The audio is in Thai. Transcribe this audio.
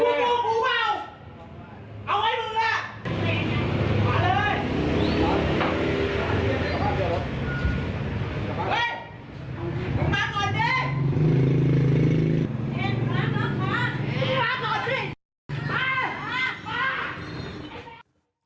เฮ้ยร้านน้ำขาดร้านน้ำขาดสิ